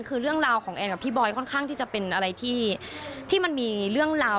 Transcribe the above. คือเรื่องราวของแอนกับพี่บอยค่อนข้างที่จะเป็นอะไรที่มันมีเรื่องราว